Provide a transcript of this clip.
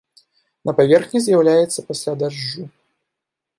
На паверхні з'яўляецца пасля дажджу.